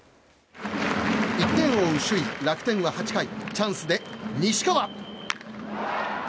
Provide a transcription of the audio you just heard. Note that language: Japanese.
１点を追う首位、楽天は８回チャンスで西川。